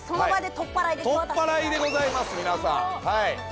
とっぱらいでございます皆さん。